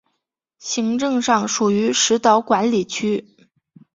行政上属于石岛管理区。